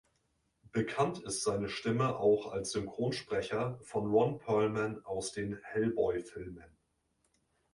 Bekannt ist seine Stimme auch als Synchronsprecher von Ron Perlman aus den "Hellboy"-Filmen.